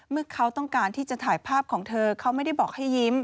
เมื่อเขาต้องการที่จะถ่ายภาพของเธอเขาไม่ได้บอกให้ยิ้ม